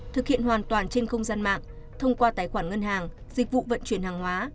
thực hiện hoàn toàn trên không gian mạng thông qua tài khoản ngân hàng dịch vụ vận chuyển hàng hóa